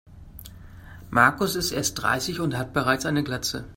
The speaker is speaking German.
Markus ist erst dreißig und hat bereits eine Glatze.